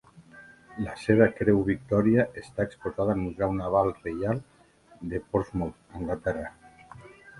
La seva Creu Victòria està exposada al Museu Naval Reial de Portsmouth (Anglaterra).